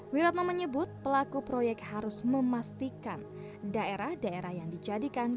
wiratno menyebut pelaku proyek harus memastikan daerah daerah yang dijadikan